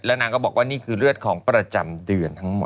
นางก็บอกว่านี่คือเลือดของประจำเดือนทั้งหมด